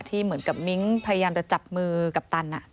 ที่เหมือนกับมิ้งพยายามจะจับมือกัปตัน